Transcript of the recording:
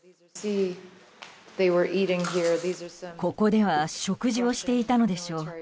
ここでは食事をしていたのでしょう。